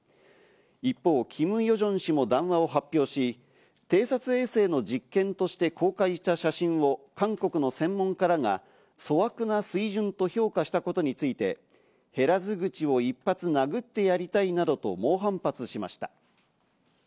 一方、キム・ヨジョン氏も談話を発表し、偵察衛星の実験として公開した写真を韓国の専門家らが粗悪な水準と評価したことについて、減らず口を一発殴ってやりたいなどと猛反発しました。